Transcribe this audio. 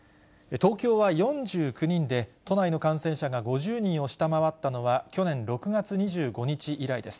東京は４９人で、都内の感染者が５０人を下回ったのは、去年６月２５日以来です。